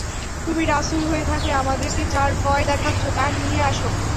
তুমি রাসূল হয়ে থাকলে আমাদেরকে যার ভয় দেখাচ্ছ তা নিয়ে এসো।